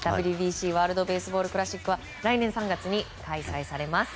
ＷＢＣ・ワールド・ベースボール・クラシックは来年３月に開催されます。